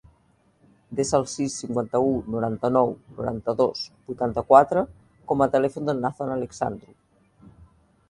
Desa el sis, cinquanta-u, noranta-nou, noranta-dos, vuitanta-quatre com a telèfon del Nathan Alexandru.